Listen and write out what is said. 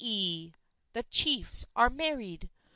e!" ("the chiefs are married!")